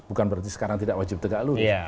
bukan berarti sekarang tidak wajib tegak lurus